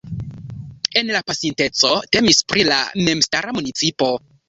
En la pasinteco temis pri la memstara municipo.